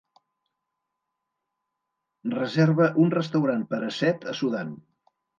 reserva un restaurant per a set a Sudan